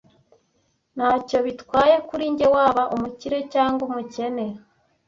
Ntacyo bitwaye kuri njye waba umukire cyangwa umukene.